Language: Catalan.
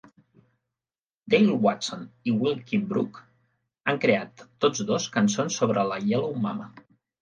Dale Watson i Will Kimbrough han creat tots dos cançons sobre la Yellow Mama.